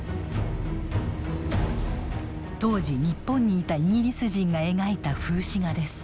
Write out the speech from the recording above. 当時日本にいたイギリス人が描いた風刺画です。